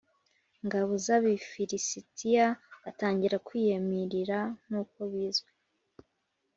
ngabo z Abafilisitiya atangira kwiyamirira nk uko bizwi